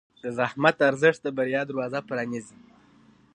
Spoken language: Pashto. د زحمت ارزښت د بریا دروازه پرانیزي.